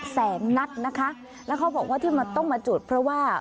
แสนนัดนะคะแล้วเขาบอกว่าที่มันต้องมาจุดเพราะว่า